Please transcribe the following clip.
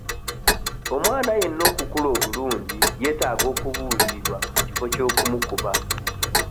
Omwana yenna okukula obulungi yeetaaga okubuulirirwa mu kifo ky'okumukuba.